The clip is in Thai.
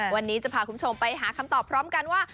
วันนี้จะพาคุณผู้ชมไปหาคำตอบพร้อมกันว่า